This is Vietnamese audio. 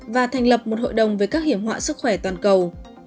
và thành lập một hội đồng về các hiểm họa sức khỏe toàn cầu